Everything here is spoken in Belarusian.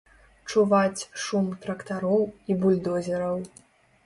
Чуваць шум трактароў і бульдозераў.